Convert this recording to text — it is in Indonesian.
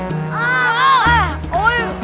udah jadi orang kaya dong